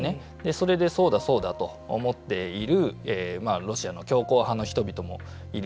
それでそうだそうだと思っているロシアの強硬派の人々もいる。